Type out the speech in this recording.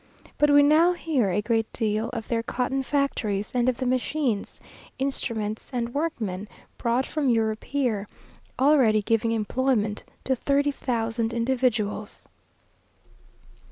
But we now hear a great deal of their cotton factories, and of the machines, instruments, and workmen, brought from Europe here, already giving employment to thirty thousand individuals.